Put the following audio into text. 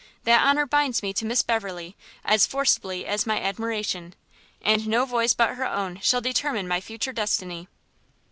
That honour binds me to Miss Beverley as forcibly as my admiration, and no voice but her own shall determine my future destiny."